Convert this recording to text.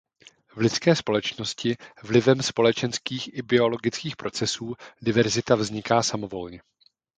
V lidské společnosti vlivem společenských i biologických procesů diverzita vzniká samovolně.